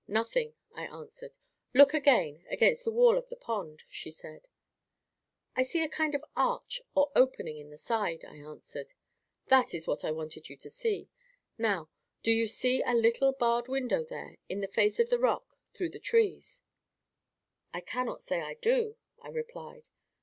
"Nothing," I answered. "Look again, against the wall of the pond," she said. "I see a kind of arch or opening in the side," I answered. "That is what I wanted you to see. Now, do you see a little barred window, there, in the face of the rock, through the trees?" "I cannot say I do," I replied.